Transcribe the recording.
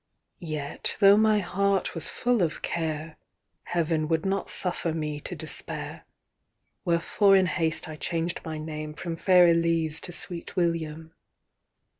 VIYet, though my heart was full of care, Heaven would not suffer me to despair; Wherefore in haste I changed my nameFrom fair Elise to Sweet William.